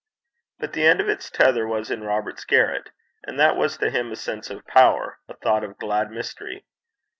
But the end of its tether was in Robert's garret. And that was to him a sense of power, a thought of glad mystery.